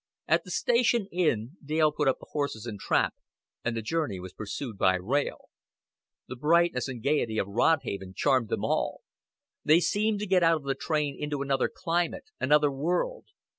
At the Station Inn Dale put up the horse and trap, and the journey was pursued by rail. The brightness and gaiety of Rodhaven charmed them all. They seemed to get out of the train into another climate, another world.